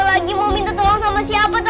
aku gak tau lagi mau minta tolong sama siapa tante